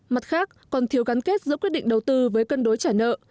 mặt khác còn thiếu gắn kết giữa quyết định đầu tư với cân đối trả nợ